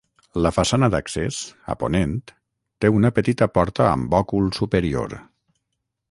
La façana d'accés, a ponent, té una petita porta amb òcul superior.